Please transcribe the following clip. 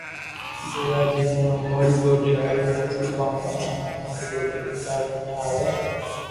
ديوا جي مون اموري ٻولي ھارو موٽو ڪوم ھوئي ھين اماري ٻولي رآڪارذ مي آوئي